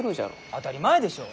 当たり前でしょう！